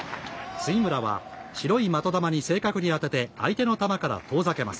杉村は白い的球に正確に当てて相手の球から遠ざけます。